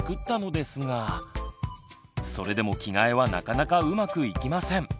それでも着替えはなかなかうまくいきません。